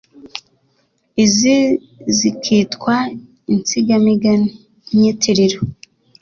izi zikitwa insigamigani nyitiriro.